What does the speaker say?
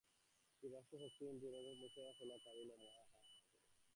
জীবাত্মা শক্তিহীন জড়ের সহিত নিজেকে মিশাইয়া ফেলিয়া কাঁদিয়া মরে, হায় হায় করে।